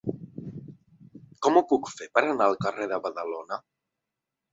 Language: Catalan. Com ho puc fer per anar al carrer de Badalona?